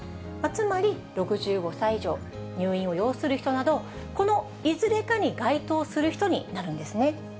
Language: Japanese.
つまり、６５歳以上、入院を要する人など、このいずれかに該当する人になるんですね。